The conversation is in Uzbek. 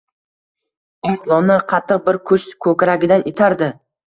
Arslonni qattiq bir kuch ko‘kragidan itardi.